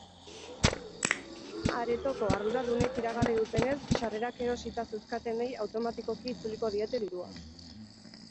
Aretoko arduradunek iragarri dutenez, sarrerak erosita zeuzkatenei automatikoki itzuliko diete dirua.